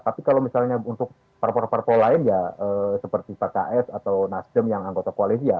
tapi kalau misalnya untuk parpol parpol lain ya seperti pks atau nasdem yang anggota koalisi ya